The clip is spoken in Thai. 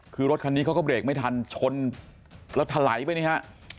คือรถคันนี้เขาก็เบรกไม่ทันชนแล้วถลายไปนี่ฮะ